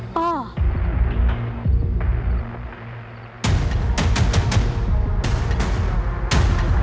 ป่า